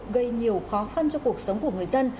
gây nhiều khó khăn cho cuộc sống của người dân